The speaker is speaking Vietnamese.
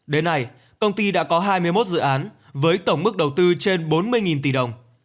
đến nay công ty đã có hai mươi một dự án với tổng mức đầu tư trên bốn mươi tỷ đồng